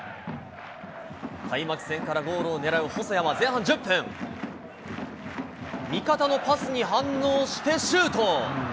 開幕戦からゴールを狙う細谷は前半１０分、味方のパスに反応してシュート。